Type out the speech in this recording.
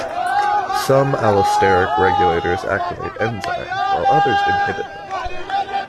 Some allosteric regulators activate enzymes, while others inhibit them.